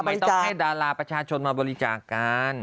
ไม่ต้องให้ดาราประชาชนมาบริจาคกัน